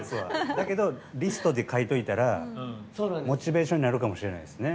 だけど、リストに書いてたらモチベーションになるかもしれないですね。